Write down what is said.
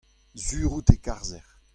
sur out e karzec'h.